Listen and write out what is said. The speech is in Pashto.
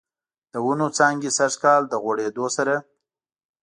د ونوو څانګې سږکال، د غوړیدو سره